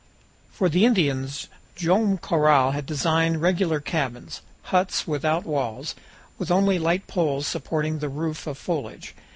For the Indians Joam Garral had designed regular cabins huts without walls, with only light poles supporting the roof of foliage.